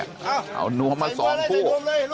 อ่ะเอานวมมาพูด